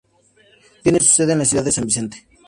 Tiene su sede en la ciudad de San Vicente.